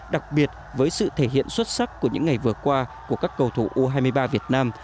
đặc biệt với sự thể hiện xuất sắc của những ngày vừa qua của các cầu thủ u hai mươi ba việt nam